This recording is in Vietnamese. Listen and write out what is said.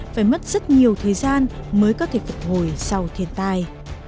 phải mất rất nhiều thời gian mới có thể phục hồi sau thiên tai